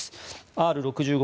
Ｒ６５